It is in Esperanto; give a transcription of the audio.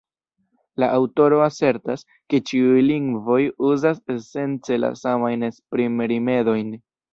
La aŭtoro asertas, ke ĉiuj lingvoj uzas esence la samajn esprimrimedojn.